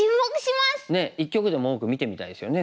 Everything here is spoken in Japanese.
一局でも多く見てみたいですよね